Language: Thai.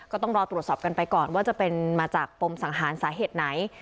ก็ต้องรอตรวจสอบกันไปก่อนว่าจะเป็นมาจากปมสังหารสาเหตุไหน